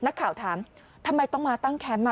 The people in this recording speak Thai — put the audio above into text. นักข่าวถามทำไมต้องมาตั้งแคมป์